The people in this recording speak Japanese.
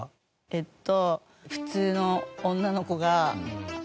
えっと。